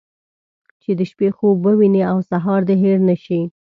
چې د شپې خوب ووينې او سهار دې هېر نه شي.